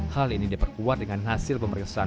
hal ini diperkuat dengan hasil pemeriksaan